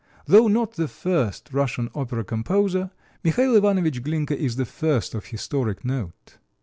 Though not the first Russian opera composer, Michal Ivanovich Glinka is the first of historic note.